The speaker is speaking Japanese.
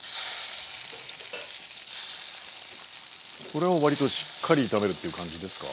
これは割としっかり炒めるっていう感じですか？